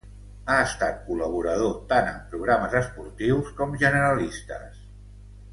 Ha estat col·laborador tant en programes esportius com generalistes.